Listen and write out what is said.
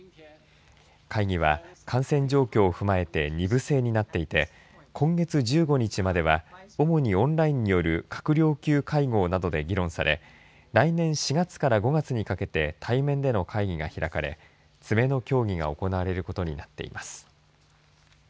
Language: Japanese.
会議は感染状況を踏まえて２部制になっていて今月１５日までは主にオンラインによる閣僚級会合などで議論され来年４月から５月にかけて対面での会議が開かれ詰めの協議が行われることになっています。